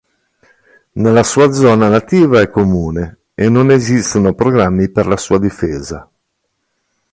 Nella sua zona nativa è comune e non esistono programmi per la sua difesa.